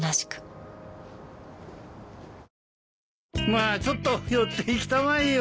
まあちょっと寄っていきたまえよ。